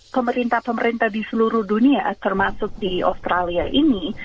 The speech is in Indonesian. pemerintah pemerintah di seluruh dunia termasuk di australia ini